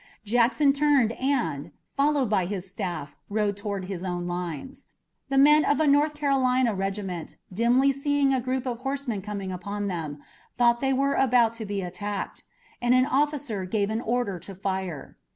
Jackson turned and, followed by his staff, rode toward his own lines. The men of a North Carolina regiment, dimly seeing a group of horsemen coming down upon them, thought they were about to be attacked, and an officer gave an order to fire.